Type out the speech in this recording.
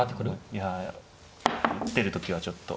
いや出る時はちょっと。